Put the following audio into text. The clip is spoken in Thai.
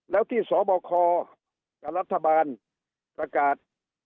แล้วที่สบคกับรัฐบาลประกาศ